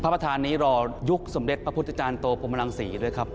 พระพระธานนี้รอยุคสมเด็จพระพุทธอาจารย์โตปมรังศรีเลยครับ